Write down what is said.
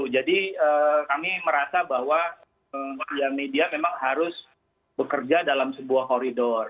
jadi kami merasa bahwa media media memang harus bekerja dalam sebuah koridor